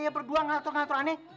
berdua ngatur ngatur aneh